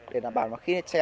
để đảm bảo khi treo